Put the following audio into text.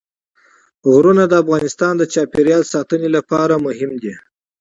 غرونه د افغانستان د چاپیریال ساتنې لپاره مهم دي.